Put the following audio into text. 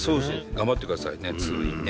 頑張ってくださいね通院ね。